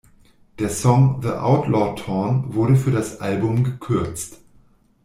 Der Song "The Outlaw Torn" wurde für das Album gekürzt.